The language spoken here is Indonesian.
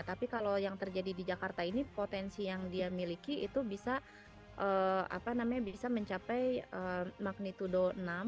tapi kalau yang terjadi di jakarta ini potensi yang dia miliki itu bisa mencapai magnitudo enam